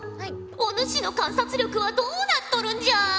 お主の観察力はどうなっとるんじゃ！